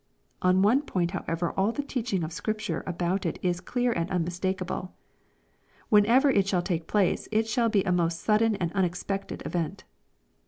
On one point however all the teaching of Scripture about it is clear ftnd unmistakeable. Whenever it shall take place, it shall be a most sudden and unexpected event.